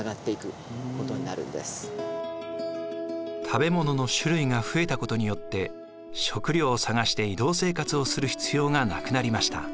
食べ物の種類が増えたことによって食料を探して移動生活をする必要がなくなりました。